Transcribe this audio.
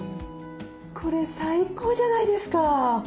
これ最高じゃないですか。